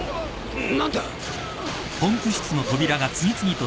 何だ？